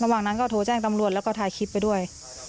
ระหว่างนั้นก็โทรแจ้งตำรวจแล้วก็ถ่ายคลิปไปด้วย